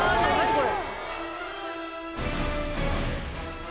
これ。